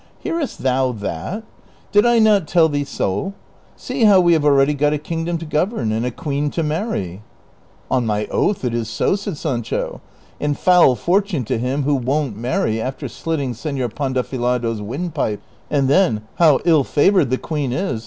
" Hearest thou that ? Did I not tell thee so ? See how we have already got a kingdom to govern and a queen to marry ?"" On my oath it is so," said Sancho ;" and foul fortune to him who won't marry after slitting Senor Pandahilado's wind pipe ! And then, how ill favored the queen is